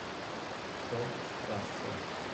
Todd Strasser